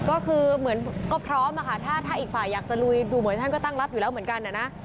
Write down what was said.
ก็คือเหมือนก็พร้อมอะค่ะถ้าอีกฝ่ายอยากจะลุยดูเหมือนท่านก็ตั้งรับอยู่แล้วเหมือนกันนะ